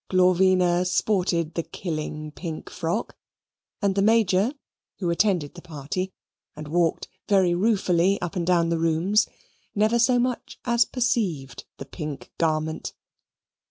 Glorvina sported the killing pink frock, and the Major, who attended the party and walked very ruefully up and down the rooms, never so much as perceived the pink garment.